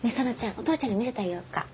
お父ちゃんに見せてあげようか。